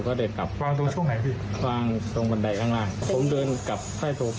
มันน่าจะเป็นกับอะไรเรื่องครอบครัวเรื่องอะไรไหม